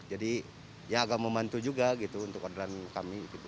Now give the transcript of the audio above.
jadi ya agak membantu juga gitu untuk orderan kami gitu